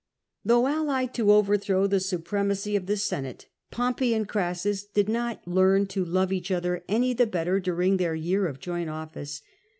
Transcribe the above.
Though allied to overthrow the supremacy of the Senate, Pompey and Orassus did not learn to love each other any the better during their year of joint office.